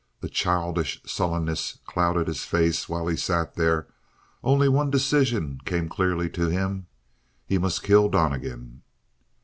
A childish sullenness clouded his face while he sat there; only one decision came clearly to him: he must kill Donnegan!